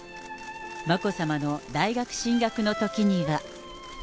眞子さまの大学進学のときには。